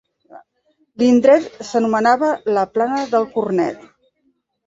L'indret s'anomenava la plana del cornet.